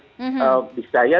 bisa ya bisa tidak mbak